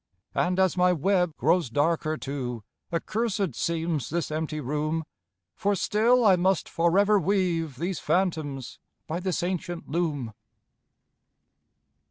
And as my web grows darker too, Accursed seems this empty room; For still I must forever weave These phantoms by this ancient loom.